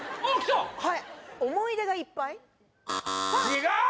違う？